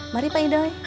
mari pak idoy